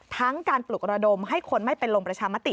ทั้งการปลุกระดมให้คนไม่ไปลงประชามติ